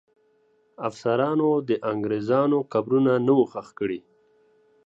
افسرانو د انګریزانو قبرونه نه وو ښخ کړي.